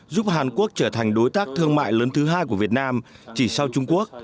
giúp hàn quốc trở thành đối tác thương mại lớn thứ hai của việt nam chỉ sau trung quốc